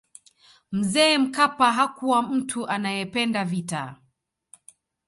mzee mkapa hakuwa mtu anayependa vita